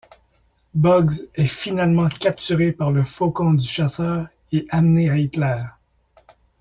Bugs est finalement capturé par le faucon du chasseur et amené à Hitler.